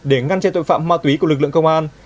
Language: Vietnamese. để ngăn chế tội phạm ma túy của lực lượng công an